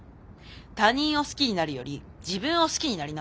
「他人を好きになるより自分を好きになりな」